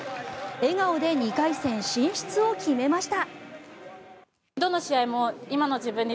笑顔で２回戦進出を決めました。